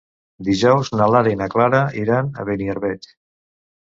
Dijous na Lara i na Clara iran a Beniarbeig.